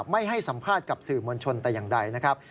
ไม่ให้สัมภาษณ์กับสื่อมวลชนแต่อย่างใดนะครับ